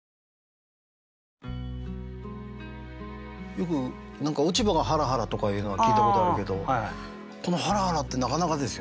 よく何か「落ち葉がはらはら」とかいうのは聞いたことあるけどこの「はらはら」ってなかなかですよね。